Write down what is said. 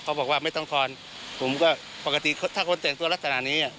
บอกว่าไม่ต้องทอนผมก็ปกติถ้าคนแต่งตัวลักษณะนี้